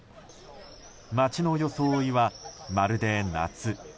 街の装いは、まるで夏。